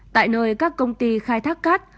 tại nơi các công ty khai thác cát